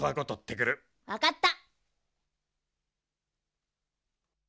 わかった。